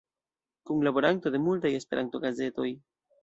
Kunlaboranto de multaj Esperanto-gazetoj.